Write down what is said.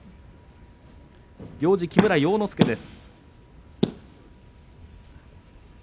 木村要之助です。